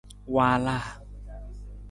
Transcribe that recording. Waalaa.